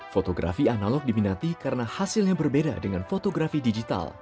fotografi analog diminati karena hasilnya berbeda dengan fotografi digital